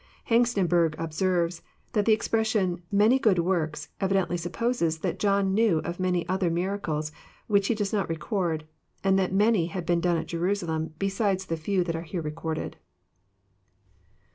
Hengstenberg observes, that the expression, "many good works," evidently supposes that John knew of many other miracles which he does not record, and that many had been done at Jerusalem beside the few that are recorded.